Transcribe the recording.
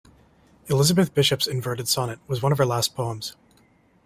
Elizabeth Bishop's inverted "Sonnet" was one of her last poems.